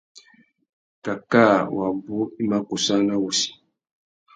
Cacā wabú i má kussāna wussi.